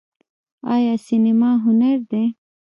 آیا سینما هنر دی؟